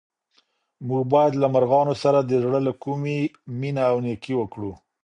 موږ باید له مرغانو سره د زړه له کومې مینه او نېکي وکړو.